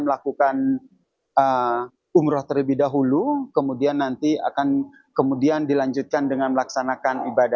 melakukan umroh terlebih dahulu kemudian nanti akan kemudian dilanjutkan dengan melaksanakan ibadah